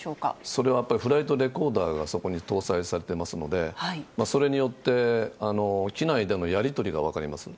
それはやっぱりフライトレコーダーがそこに搭載されてますので、それによって、機内でのやり取りが分かります。